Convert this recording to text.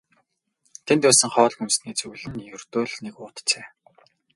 Тэнд байсан хоол хүнсний зүйл нь ердөө л нэг уут цай.